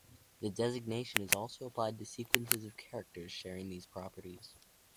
The designation is also applied to sequences of characters sharing these properties.